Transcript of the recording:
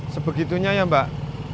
sebegitunya ya mbak